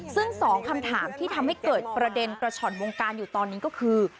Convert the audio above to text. ซึ่งสองคำถามที่ทำให้เกิดประเด็นกระฉ่อนวงการอยู่ตอนนี้ก็คือ